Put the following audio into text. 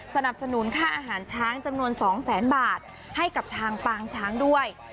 สนับสนุนค่าอาหารช้างจำนวน๒แสนบาทให้กับทางปางช้างด้วย